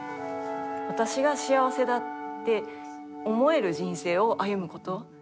私が幸せだって思える人生を歩むこと。